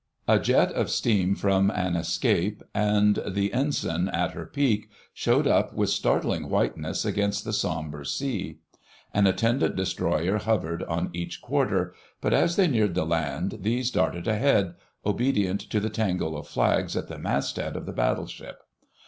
A jet of steam from an escape and the Ensign at her peak showed up with startling whiteness against the sombre sea. An attendant Destroyer hovered on each quarter, but as they neared the land these darted ahead, obedient to the tangle of flags at the masthead of the Battleship.